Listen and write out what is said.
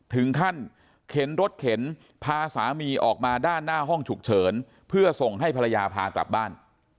ถึงขั้นเข็นรถเข็นพาสามีออกมาด้านหน้าห้องฉุกเฉินเพื่อส่งให้ภรรยาพากลับบ้าน